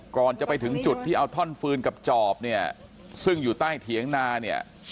ก่อนจะไปถึงจุดที่เอาท่อนฟืนกับจอบเนี่ยซึ่งอยู่ใต้เถียงนาเนี่ย